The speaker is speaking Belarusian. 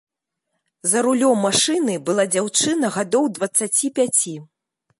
За рулём машыны была дзяўчына гадоў дваццаці пяці.